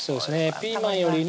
ピーマンよりね